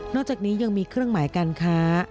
อกจากนี้ยังมีเครื่องหมายการค้า